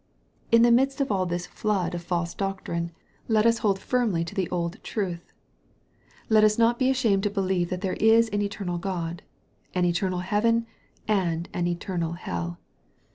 In the midst of all this flood of false doctrine, let us hold firmly MARK, CHAP. III. 57 the old truth. Let us not be ashamed to believe that there is an eternal God an eternal heaven and an eternal hell.